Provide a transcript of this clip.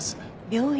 病院？